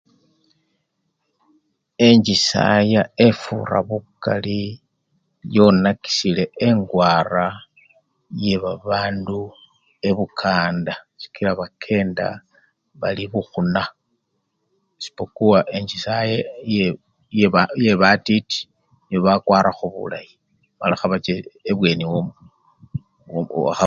Enchisaya efura bukali yonakisyile engwara yebabandu ebukanda sikila bakenda bali bukhuna isipokuwa enchisaya yeba! yebatiti nibo bakwarakho bulayi nga bali khebacha ebweni wa khabumbe.